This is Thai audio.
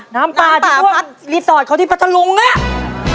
น้ำป่าที่พวกรีสอร์ทเค้าที่ปัจจรุงอ่ะ